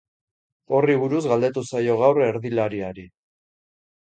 Horri buruz galdetu zaio gaur erdilariari.